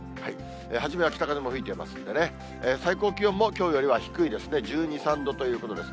初めは北風も吹いていますんでね、最高気温もきょうよりは低いですね、１２、３度ということです。